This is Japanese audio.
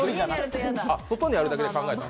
外にあるだけで考えた？